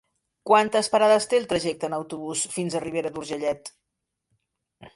Quantes parades té el trajecte en autobús fins a Ribera d'Urgellet?